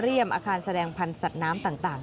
อาคารแสดงพันธุ์สัตว์น้ำต่าง